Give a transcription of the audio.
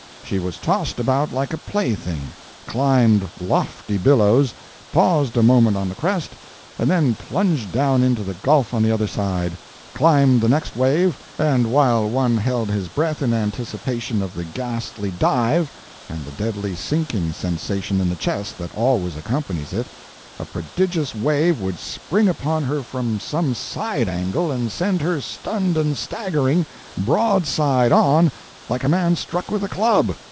She was tossed about like a plaything—climbed lofty billows, paused a moment on the crest, and then plunged down into the gulf on the other side; climbed the next wave, and while one held his breath in anticipation of the ghastly dive and the deadly sinking sensation in the chest that always accompanies it, a prodigious wave would spring upon her from some side angle, and send her stunned and staggering, broadside on, like a man struck with a club!